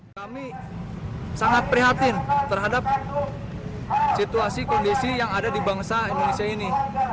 kami sangat prihatin terhadap situasi kondisi yang ada di bangsa indonesia ini